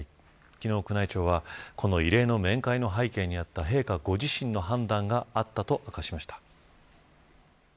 昨日、宮内庁はこの異例の面会の背景にあった陛下ご自身の判断があったと明かしました。